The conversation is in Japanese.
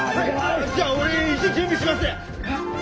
じゃあ俺石準備します！